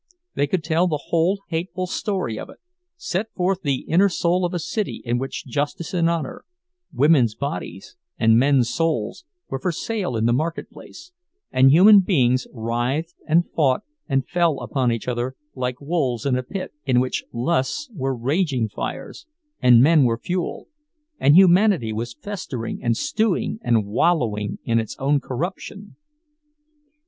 They could tell the whole hateful story of it, set forth the inner soul of a city in which justice and honor, women's bodies and men's souls, were for sale in the marketplace, and human beings writhed and fought and fell upon each other like wolves in a pit; in which lusts were raging fires, and men were fuel, and humanity was festering and stewing and wallowing in its own corruption.